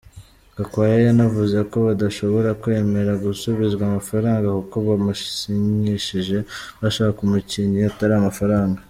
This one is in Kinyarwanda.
Gakwaya yanavuze ko badashobora kwemera gusubizwa amafaranga kuko bamusinyishije bashaka umukinnyi atari amafaranga.